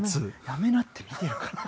やめなって見てるから。